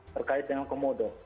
terkait dengan komodo